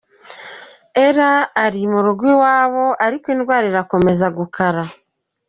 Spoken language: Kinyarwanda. Ella ari mu rugo iwabo ariko indwara irakomeza gukara.